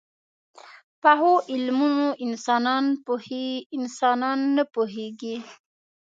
پخو علمونو انسانونه پوهيږي